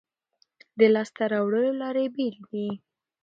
د لاسته راوړلو لارې بېلې دي.